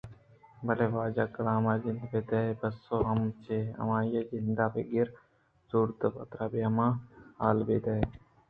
بلئے واجہ کلام ءِ جند ءَبہ دئے ءُپسو ءَ ہم چہ ہمائی ءِ جند ءَ بہ گر ءُ زوت ءَ واتر بیا من ءَ حالاں بہ دئے